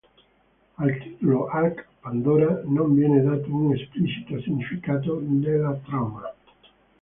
Al titolo "Ark Pandora" non viene dato un esplicito significato nella trama.